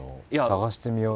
探してみよう。